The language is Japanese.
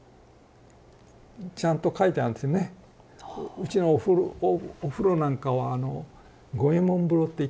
うちのお風呂なんかはあの五右衛門風呂って言ってね